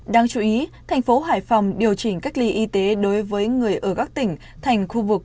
đáng chú ý thành phố hải phòng điều chỉnh cách ly y tế đối với người ở các tỉnh thành khu vực